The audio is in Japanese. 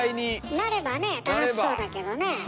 なればね楽しそうだけどねえ。